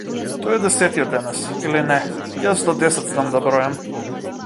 Тој е десетиот денес, или не, јас до десет знам да бројам.